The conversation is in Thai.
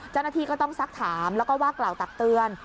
เจ้าหน้าที่ก็ต้องซักถามแล้วก็ว่ากล่าวตักเตือน